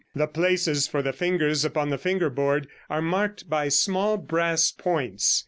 The places for the fingers upon the finger board are marked by small brass points.